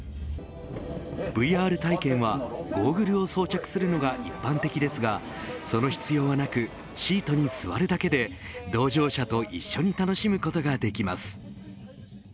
ＶＲ体験はゴーグルを装着するのが一般的ですがその必要はなくシートに座るだけで同乗者と一緒に楽しむことができます。